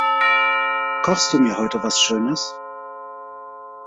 Kochst du mir heute was schönes?